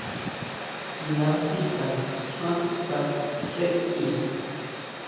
Nda sika xán ska xé tii.